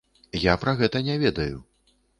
Я пра гэта не ведаю.